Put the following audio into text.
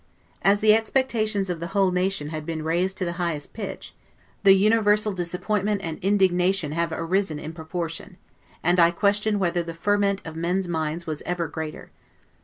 As the expectations of the whole nation had been raised to the highest pitch, the universal disappointment and indignation have arisen in proportion; and I question whether the ferment of men's minds was ever greater.